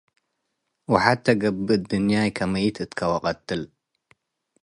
ወሐቴ ገብእ እድንያይ - ከመይት እትከ ወቀትል